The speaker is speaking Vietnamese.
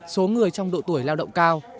số người trong độ tuổi lao động cao